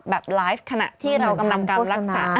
แบบไลฟ์ขณะที่เรากำลังกำรักษา